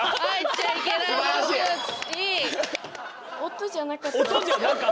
音じゃなかった！